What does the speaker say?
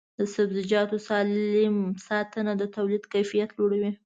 د سبزیجاتو سالم ساتنه د تولید کیفیت لوړوي.